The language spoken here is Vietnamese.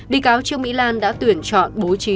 bị cáo trương mỹ lan đã tuyển chọn bố trí